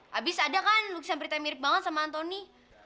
habis ada kan lukisan prita yang mirip banget sama antoni